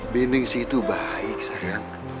bindingsi itu baik sayang